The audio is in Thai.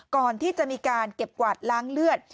ก่อนที่จะมีการเก็บกวาดล้างเลือด